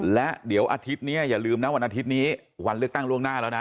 และเดี๋ยวอาทิตย์นี้อย่าลืมนะวันอาทิตย์นี้วันเลือกตั้งล่วงหน้าแล้วนะ